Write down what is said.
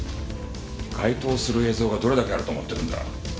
該当する映像がどれだけあると思ってるんだ？